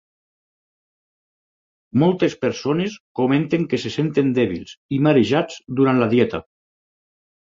Moltes persones comenten que se senten dèbils i marejats durant la dieta.